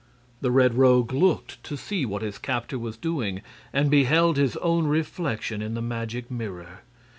The Red Rogue looked to see what his captor was doing, and beheld his own reflection in the magic mirror.